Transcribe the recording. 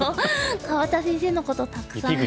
川端先生のことたくさん知れて。